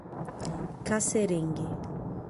Casserengue